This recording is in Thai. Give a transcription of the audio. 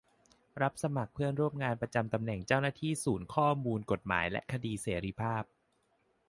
รับสมัครเพื่อนร่วมงานตำแหน่งเจ้าหน้าที่ศูนย์ข้อมูลกฎหมายและคดีเสรีภาพ